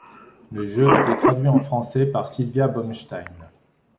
Le jeu a été traduit en français par Sylvia Bomstein.